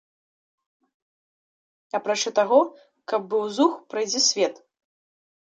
Апрача таго, каб быў зух, прайдзісвет?